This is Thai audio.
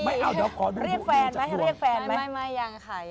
ไม่เอาเดี๋ยวเรียกแฟนไหมเรียกแฟนไหมจับถ้วนไม่ยังค่ะยัง